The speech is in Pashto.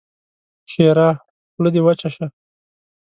ښېرا: خوله دې وچه شه!